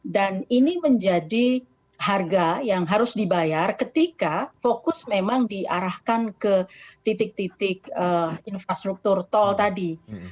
dan ini menjadi harga yang harus dibayar ketika fokus memang diarahkan ke titik titik infrastruktur tol tadi